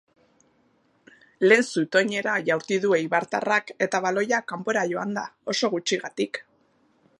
Lehen zutoinera jaurti du eibartarrak eta baloia kanpora joan da, oso gutxigatik.